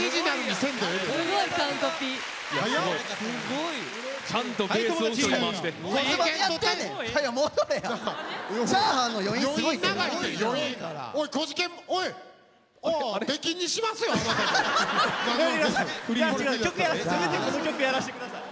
せめてこの曲やらして下さい！